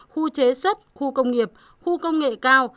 khu chế xuất khu công nghiệp khu công nghệ cao